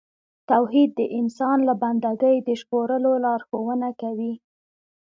توحید د انسان له بندګۍ د ژغورلو لارښوونه کوي.